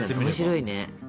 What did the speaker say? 面白いね。